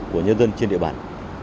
của nhân dân trên địa bàn